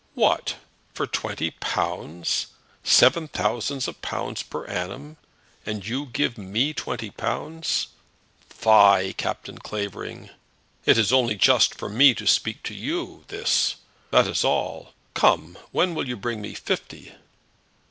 "What! for twenty pounds! Seven thousands of pounds per annum; and you give me twenty pounds! Fie, Captain Clavering. It is only just for me to speak to you, this! That is all. Come; when will you bring me fifty?"